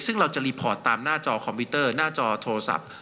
ซึ่งเราจะรีพอร์ตตามหน้าจอคอมพิวเตอร์หน้าจอโทรศัพท์